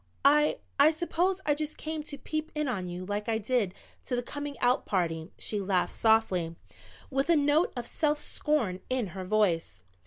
"I I suppose I just came to peep in on you like I did to the coming out party." She laughed softly, with a note of self scorn in her voice.